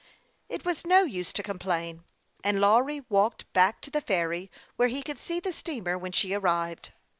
It was no use to complain, and Lawry walked back to the ferry, where he could see the steamer when she arrived.